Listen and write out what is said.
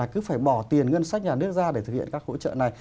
cứ phải bỏ tiền ngân sách nhà nước ra để thực hiện các hỗ trợ này